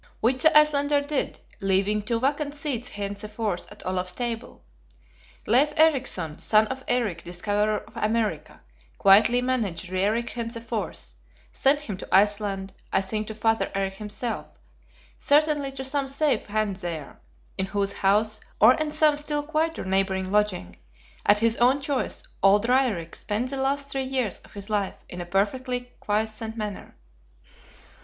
Which the Icelander did; leaving two vacant seats henceforth at Olaf's table. Leif Ericson, son of Eric discoverer of America, quietly managed Raerik henceforth; sent him to Iceland, I think to father Eric himself; certainly to some safe hand there, in whose house, or in some still quieter neighboring lodging, at his own choice, old Raerik spent the last three years of his life in a perfectly quiescent manner.